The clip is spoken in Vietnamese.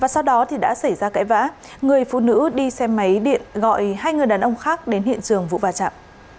sau đó đã xảy ra cãi vã người phụ nữ đi xe máy điện gọi hai người đàn ông khác đến hiện trường vụ va chạm